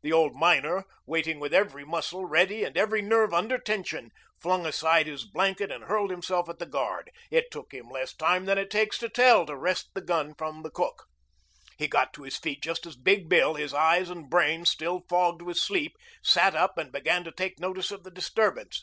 The old miner, waiting with every muscle ready and every nerve under tension, flung aside his blanket and hurled himself at the guard. It took him less time than it takes to tell to wrest the gun from the cook. He got to his feet just as Big Bill, his eyes and brain still fogged with sleep, sat up and began to take notice of the disturbance.